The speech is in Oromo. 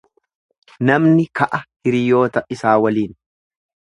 Namni ka'a hiriyoota isaa waliin.